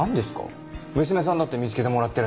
娘さんだって見つけてもらってるのに。